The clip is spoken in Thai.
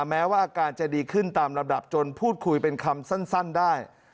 แม้ว่าอาการจะดีขึ้นตามลำดับจนพูดคุยเป็นคำสั้นได้